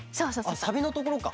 あっサビのところか。